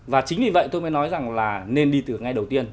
và chính vì vậy tôi mới nói rằng là nên đi từ ngay đầu tiên